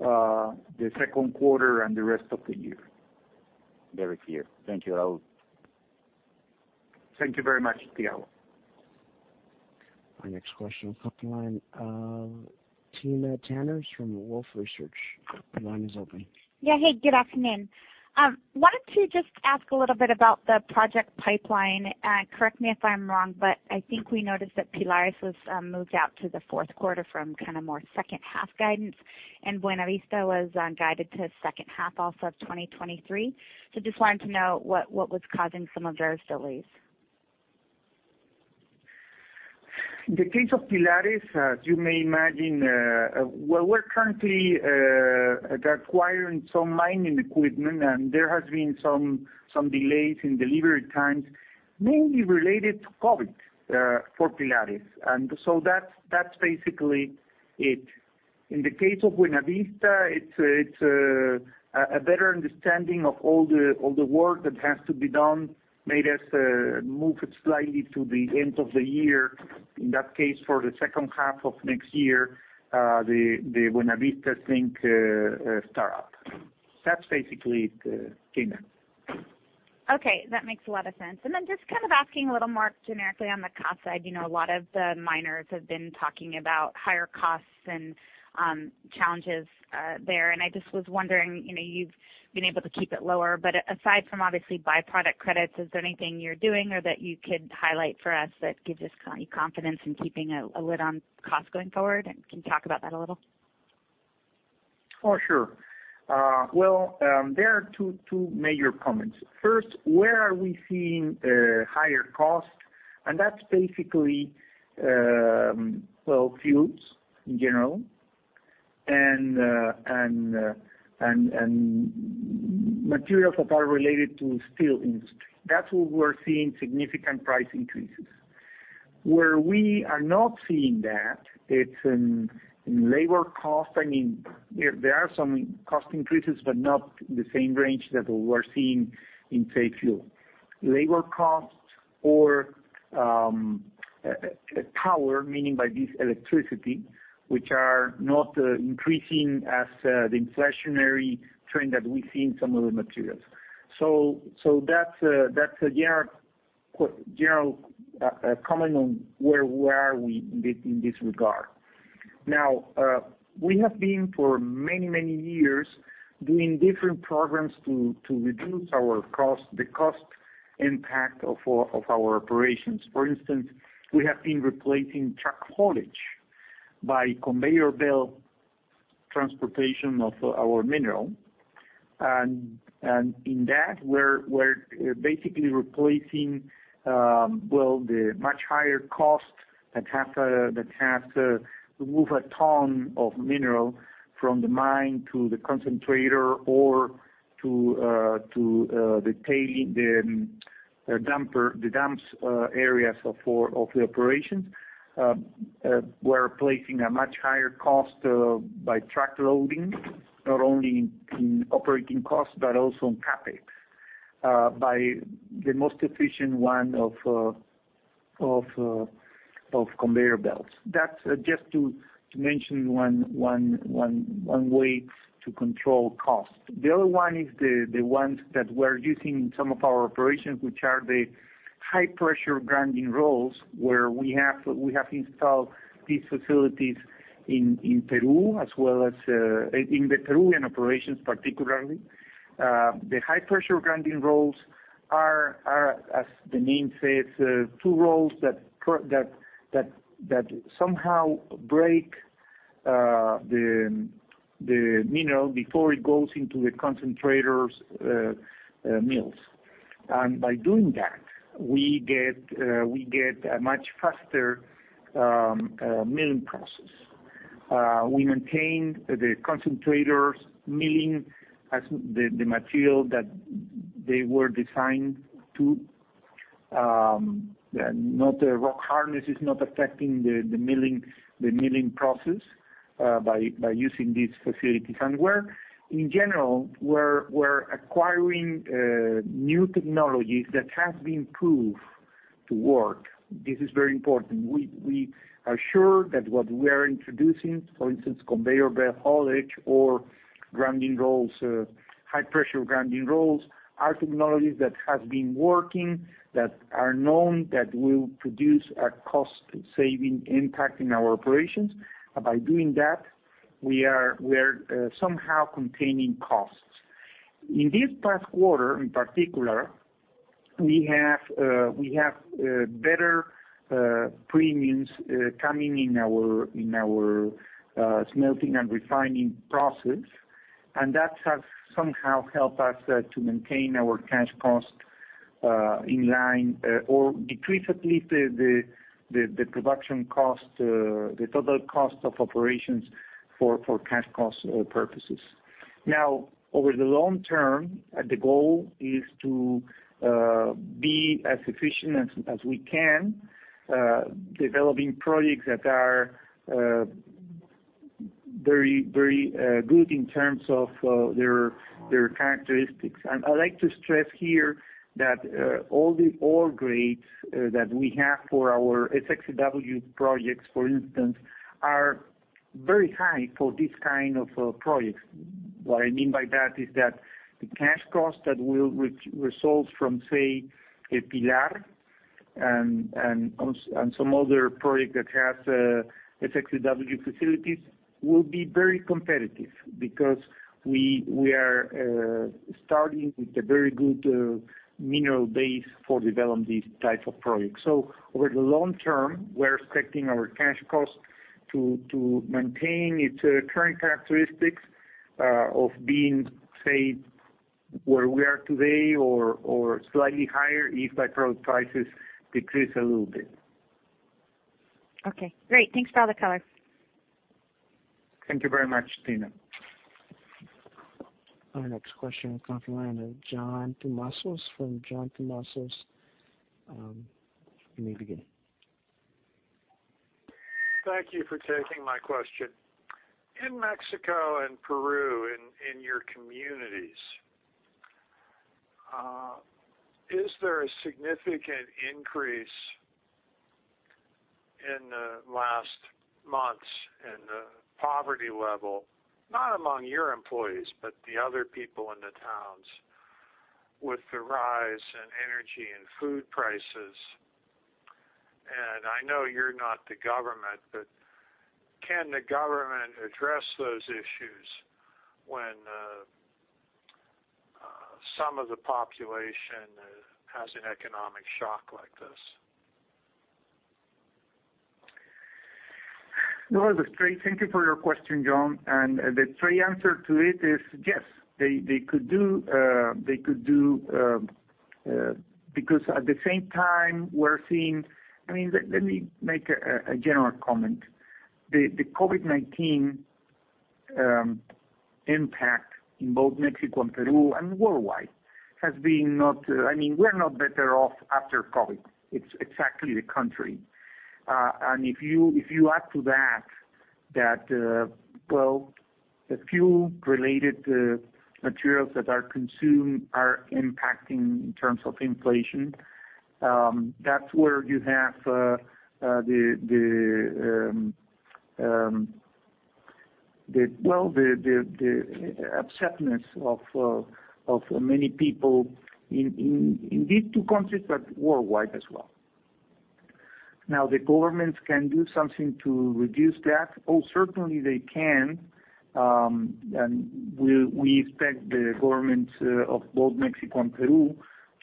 the Q2 and the rest of the year. Very clear. Thank you, Raúl. Thank you very much, Piero. Our next question on the phone line, Timna Tanners from Wolfe Research, the line is open. Yeah. Hey, good afternoon. Wanted to just ask a little bit about the project pipeline. Correct me if I'm wrong, but I think we noticed that Pilares was moved out to the Q4 from kind of more second half guidance, and Buenavista was guided to second half also of 2023. Just wanted to know what was causing some of those delays. The case of Pilares, as you may imagine, we're currently acquiring some mining equipment and there has been some delays in delivery times, mainly related to COVID, for Pilares. That's basically it. In the case of Buenavista, a better understanding of all the work that has to be done made us move it slightly to the end of the year. In that case, for the second half of next year, the Buenavista zinc start up. That's basically it, Timna Tanners. Okay. That makes a lot of sense. Then just kind of asking a little more generically on the cost side. You know, a lot of the miners have been talking about higher costs and challenges there. I just was wondering, you know, you've been able to keep it lower, but aside from obviously by-product credits, is there anything you're doing or that you could highlight for us that gives us confidence in keeping a lid on cost going forward? Can you talk about that a little? Oh, sure. Well, there are two major comments. First, where are we seeing higher costs? That's basically fuels in general and materials that are related to steel industry. That's where we're seeing significant price increases. Where we are not seeing that is in labor costs. I mean, there are some cost increases, but not the same range that we are seeing in, say, fuel. Labor costs or power, meaning by this electricity, which are not increasing as the inflationary trend that we see in some of the materials. That's a generic quick general comment on where we are in this regard. Now, we have been for many years doing different programs to reduce our cost, the cost impact of our operations. For instance, we have been replacing truck haulage by conveyor belt transportation of our mineral. In that, we're basically replacing, well, the much higher cost that has to move a ton of mineral from the mine to the concentrator or to the dumps areas of the operations. We're replacing a much higher cost by truck loading, not only in operating costs but also in CapEx, by the most efficient one of conveyor belts. That's just to mention one way to control cost. The other one is the ones that we're using in some of our operations, which are the high-pressure grinding rolls, where we have installed these facilities in Peru, as well as in the Peruvian operations, particularly. The high-pressure grinding rolls are, as the name says, two rolls that somehow break the mineral before it goes into the concentrators' mills. By doing that, we get a much faster milling process. We maintain the concentrators' milling as the material that they were designed to. The rock hardness is not affecting the milling process by using these facilities. In general, we're acquiring new technologies that have been proved to work. This is very important. We are sure that what we are introducing, for instance, conveyor belt haulage or grinding rolls, high-pressure grinding rolls, are technologies that has been working, that are known, that will produce a cost-saving impact in our operations. By doing that, we are somehow containing costs. In this past quarter, in particular, we have better premiums coming in our smelting and refining process, and that has somehow helped us to maintain our cash cost in line or decrease at least the production cost, the total cost of operations for cash cost purposes. Now, over the long term, the goal is to be as efficient as we can developing projects that are very good in terms of their characteristics. I'd like to stress here that all the ore grades that we have for our SX/EW projects, for instance, are very high for this kind of projects. What I mean by that is that the cash cost that will result from, say, Pilares and some other project that has SX/EW facilities will be very competitive because we are starting with a very good mineral base for developing these type of projects. Over the long term, we're expecting our cash cost to maintain its current characteristics of being, say, where we are today or slightly higher if the product prices decrease a little bit. Okay. Great. Thanks for all the color. Thank you very much, Timna. Our next question comes from the line of John Tumazos from John Tumazos Very Independent Research. Thank you for taking my question. In Mexico and Peru, in your communities, is there a significant increase in the last months in the poverty level, not among your employees, but the other people in the towns with the rise in energy and food prices? I know you're not the government, but can the government address those issues when some of the population has an economic shock like this? No, that's great. Thank you for your question, John. The straight answer to it is yes. They could do because at the same time, we're seeing I mean, let me make a general comment. The COVID-19 impact in both Mexico and Peru and worldwide has been not, I mean, we're not better off after COVID. It's exactly the contrary. And if you add to that, well, the fuel-related materials that are consumed are impacting in terms of inflation, that's where you have the upsetness of many people in these two countries, but worldwide as well. Now the governments can do something to reduce that. Oh, certainly they can. We expect the governments of both Mexico and Peru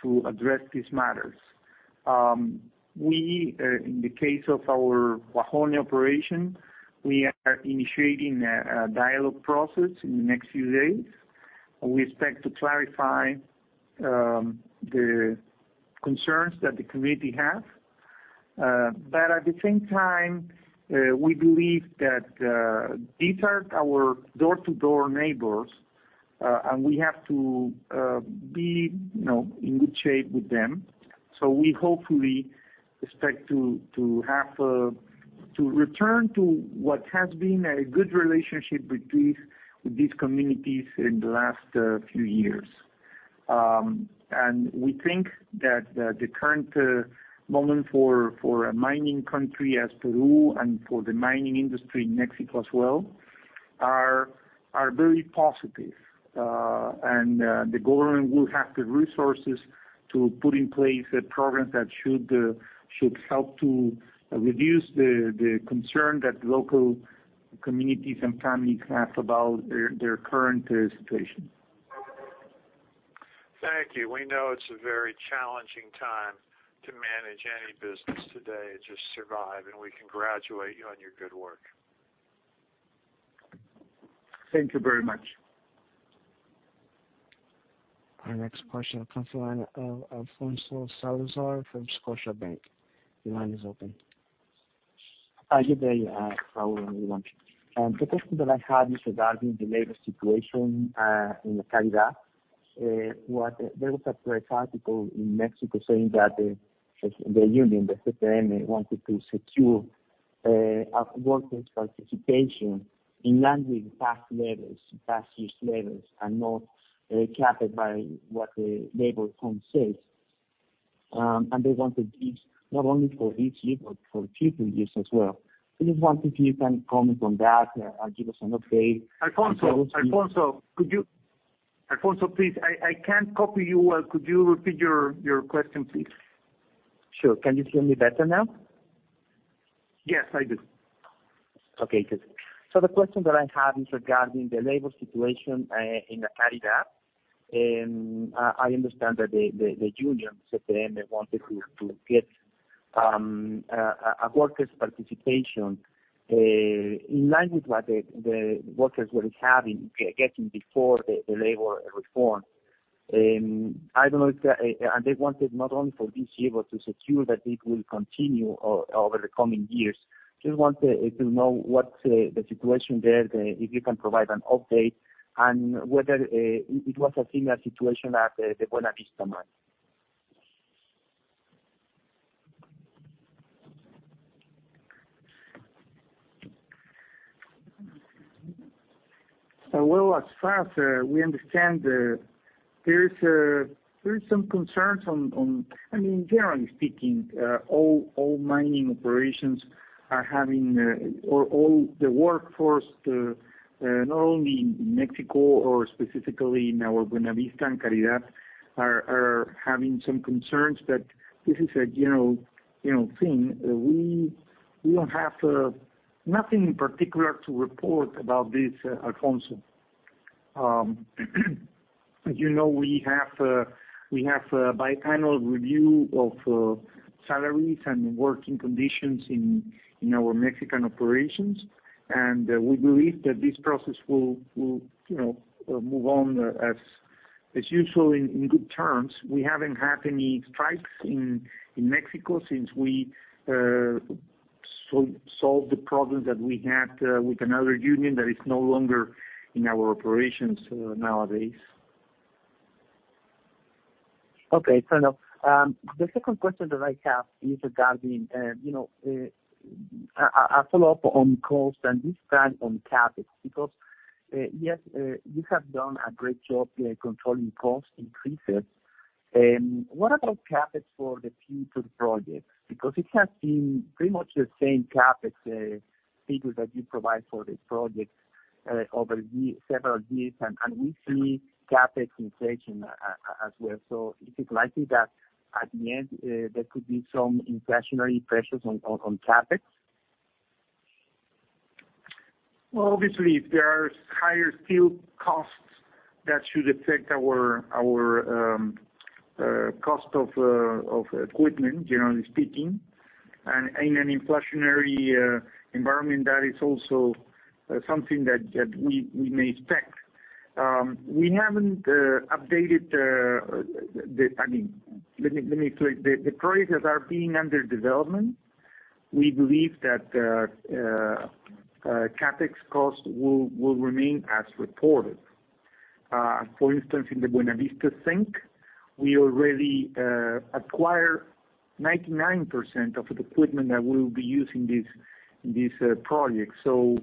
to address these matters. In the case of our Cuajone operation, we are initiating a dialogue process in the next few days, and we expect to clarify the concerns that the community have. But at the same time, we believe that these are our door-to-door neighbors, and we have to be, you know, in good shape with them. We hopefully expect to have to return to what has been a good relationship with these communities in the last few years. We think that the current moment for a mining country as Peru and for the mining industry in Mexico as well are very positive. The government will have the resources to put in place programs that should help to reduce the concern that local communities and families have about their current situation. Thank you. We know it's a very challenging time to manage any business today and just survive, and we congratulate you on your good work. Thank you very much. Our next question comes from the line of Alfonso Salazar from Scotiabank. Your line is open. Hi, good day, Raul and everyone. The question that I had is regarding the labor situation in La Caridad. There was a press article in Mexico saying that the union, the SNTMMSSRM wanted to secure a workers' participation in line with past levels, past years' levels and not capped by what the labor reform says. They wanted this not only for this year, but for future years as well. I just wondered if you can comment on that or give us an update. Alfonso, please, I can't copy you well. Could you repeat your question, please? Sure. Can you hear me better now? Yes, I do. Okay, good. The question that I have is regarding the labor situation in the La Caridad. I understand that the union, SNTMMSSRM, wanted to get a workers' participation in line with what the workers were getting before the labor reform. I don't know if that. They wanted not only for this year, but to secure that it will continue over the coming years. Just wanted to know what's the situation there, if you can provide an update, and whether it was a similar situation at the Buenavista mine. Well, as far as we understand, there is some concerns on. I mean, generally speaking, all mining operations are having, or all the workforce, not only in Mexico or specifically in our Buenavista and La Caridad are having some concerns, but this is a general, you know, thing. We don't have nothing in particular to report about this, Alfonso. As you know, we have a biannual review of salaries and working conditions in our Mexican operations. We believe that this process will, you know, move on as usual in good terms. We haven't had any strikes in Mexico since we solved the problem that we had with another union that is no longer in our operations nowadays. Okay, fair enough. The second question that I have is regarding, you know, a follow-up on cost and this time on CapEx. Because, yes, you have done a great job, controlling cost increases. What about CapEx for the future projects? Because it has been pretty much the same CapEx figures that you provide for these projects, over several years. And we see CapEx inflation as well. So is it likely that at the end, there could be some inflationary pressures on CapEx? Well, obviously, if there are higher steel costs, that should affect our cost of equipment, generally speaking. In an inflationary environment, that is also something that we may expect. We haven't updated. I mean, let me clarify. The projects that are under development, we believe that CapEx costs will remain as reported. For instance, in the Buenavista zinc, we already acquired 99% of the equipment that we'll be using in this project. So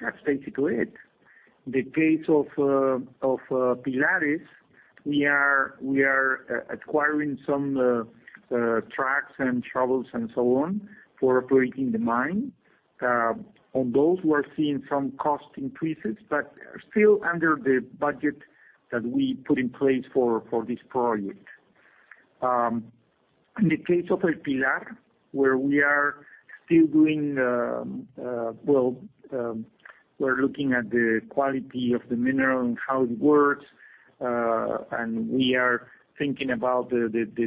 that's basically it. In the case of Pilares, we are acquiring some trucks and trailers and so on for operating the mine. On those, we're seeing some cost increases, but still under the budget that we put in place for this project. In the case of Pilares, where we are still doing, well, we're looking at the quality of the mineral and how it works, and we are thinking about the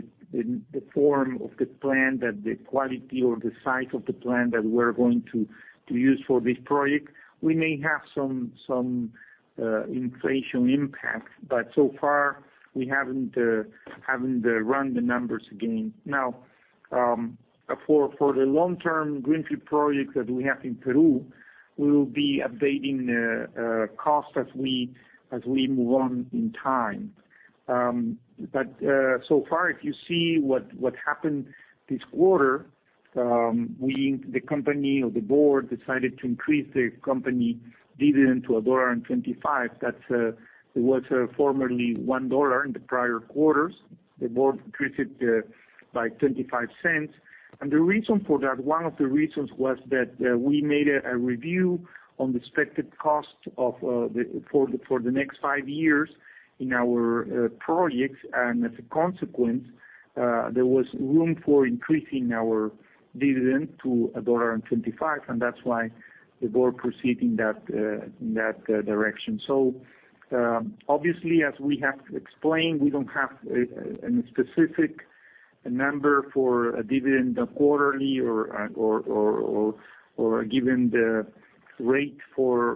form of the plant that the quality or the size of the plant that we're going to use for this project. We may have some inflation impact, but so far we haven't run the numbers again. Now, for the long-term greenfield project that we have in Peru, we'll be updating cost as we move on in time. So far, if you see what happened this quarter, the company or the board decided to increase the company dividend to $1.25. It was formerly $1 in the prior quarters. The board increased it by $0.25. The reason for that, one of the reasons was that we made a review on the expected cost for the next five years in our projects. As a consequence, there was room for increasing our dividend to $1.25, and that's why the board proceeded in that direction. Obviously, as we have explained, we don't have a specific number for a quarterly dividend or a given rate for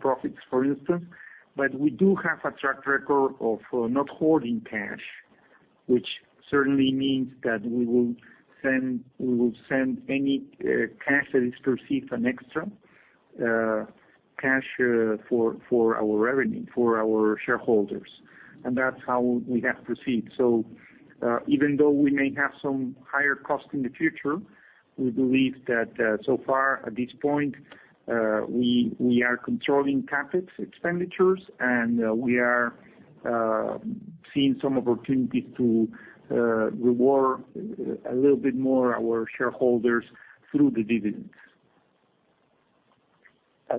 profits, for instance. We do have a track record of not holding cash, which certainly means that we will return any cash that is perceived as extra cash to our shareholders. That's how we have to proceed. Even though we may have some higher costs in the future, we believe that so far at this point we are controlling CapEx expenditures, and we are seeing some opportunities to reward a little bit more our shareholders through the dividends.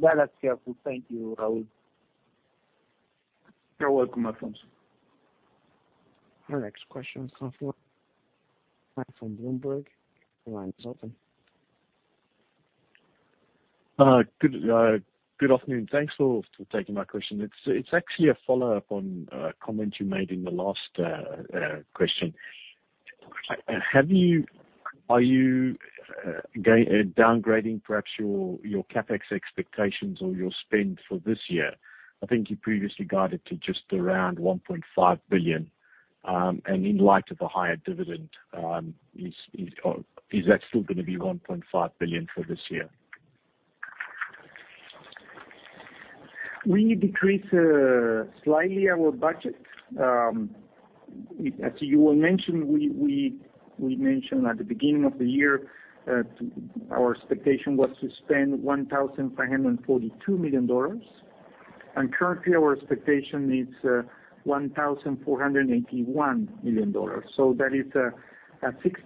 That's helpful. Thank you, Raul. You're welcome, Alfonso. Our next question comes from Grant Sporre from Bloomberg. Your line is open. Good afternoon. Thanks for taking my question. It's actually a follow-up on a comment you made in the last question. Are you downgrading perhaps your CapEx expectations or your spend for this year? I think you previously guided to just around $1.5 billion. In light of the higher dividend, is that still gonna be $1.5 billion for this year? We decreased slightly our budget. As you well mentioned, we mentioned at the beginning of the year that our expectation was to spend $1,542 million. Currently, our expectation is $1,481 million. That is a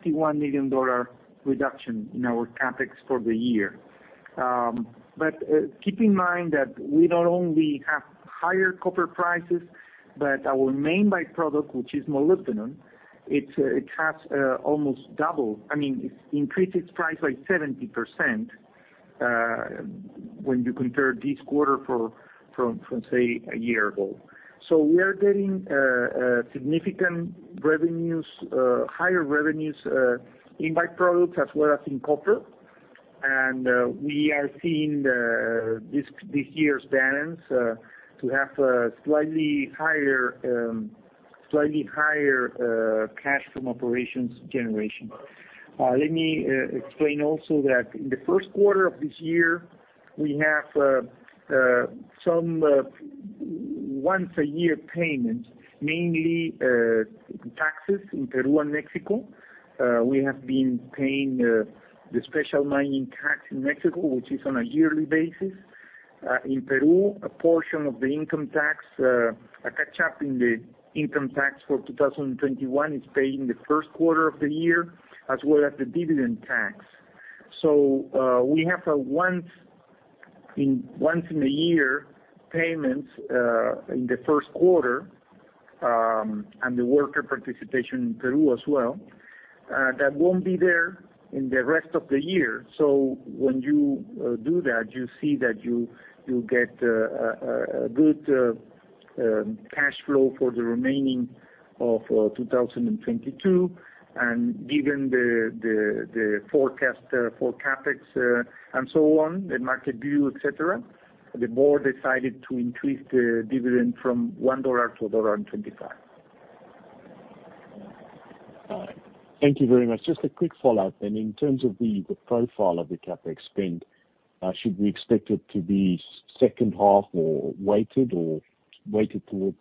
$61 million reduction in our CapEx for the year. Keep in mind that we not only have higher copper prices, but our main by-product, which is molybdenum, it has almost doubled. I mean, it increased its price by 70%, when you compare this quarter from, say, a year ago. We are getting significantly higher revenues in by-products as well as in copper. We are seeing this year's balance to have a slightly higher cash from operations generation. Let me explain also that in the Q1 of this year, we have some once-a-year payment, mainly taxes in Peru and Mexico. We have been paying the special mining tax in Mexico, which is on a yearly basis. In Peru, a portion of the income tax, a catch-up in the income tax for 2021 is paid in the Q1 of the year, as well as the dividend tax. We have once-in-a-year payments in the Q1 and the worker participation in Peru as well, that won't be there in the rest of the year. When you do that, you see that you get a good cash flow for the remaining of 2022. Given the forecast for CapEx and so on, the market view, et cetera, the board decided to increase the dividend from $1-$1.25. All right. Thank you very much. Just a quick follow-up. In terms of the profile of the CapEx spend, should we expect it to be second half or weighted towards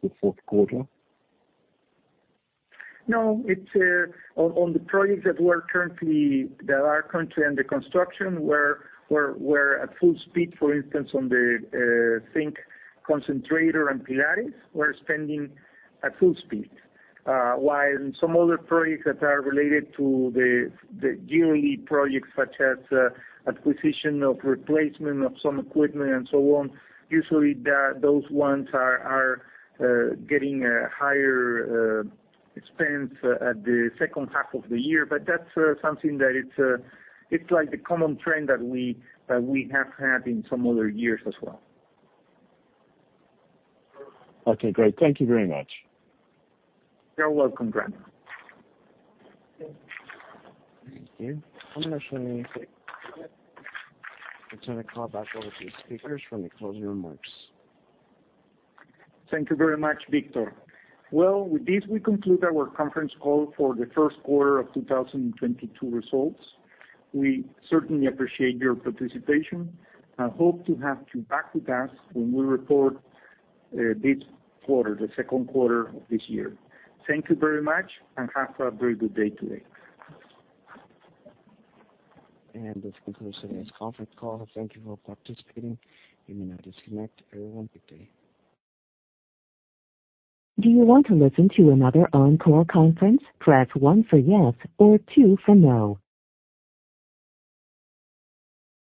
the Q4? No. It's on the projects that are currently under construction. We're at full speed, for instance, on the concentrator and Pilares. We're spending at full speed. While some other projects that are related to the yearly projects such as acquisition or replacement of some equipment and so on, those ones are getting a higher expense at the second half of the year. That's something that it's like the common trend that we have had in some other years as well. Okay, great. Thank you very much. You're welcome, Grant. Thank you. I'm gonna show you. I'm gonna call back all of the speakers for any closing remarks. Thank you very much, Victor. Well, with this, we conclude our conference call for the Q1 of 2022 results. We certainly appreciate your participation and hope to have you back with us when we report this quarter, the Q2 of this year. Thank you very much, and have a very good day today. This concludes today's conference call. Thank you for participating. You may now disconnect. Everyone, good day. Do you want to listen to another Encore conference? Press one for yes or two for no.